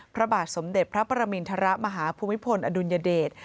พระบาทสมเด็จพระประมินทรมาฮภูมิพลอดุลยเดช